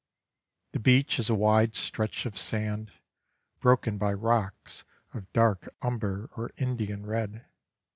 The beach is a wide stretch of sand broken by rocks of dark umber or Indian red.